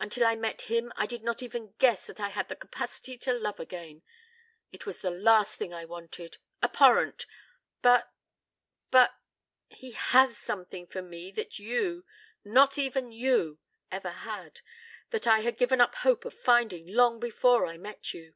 Until I met him I did not even guess that I had the capacity to love again. It was the last thing I wanted. Abhorrent! But ... but ... he has something for me that you not even you ever had ... that I had given up hope of finding long before I met you.